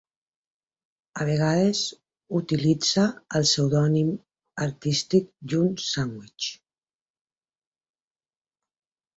A vegades utilitza el pseudònim artístic Young Sandwich.